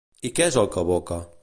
I què és el que evoca?